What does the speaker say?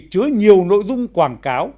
chứa nhiều nội dung quảng cáo